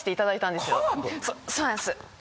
そうなんです。